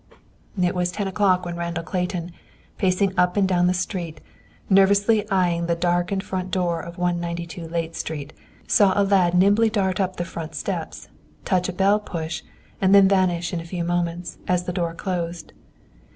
It was ten o'clock when Randall Clayton, pacing up and down the street, nervously eying the darkened front door of 192 Layte Street, saw a lad nimbly dart up the front steps, touch a bell push, and then vanish in a few moments, as the door closed.